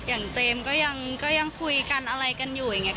แบบเจมก็ยังคุยกันอะไรกันอยู่เอง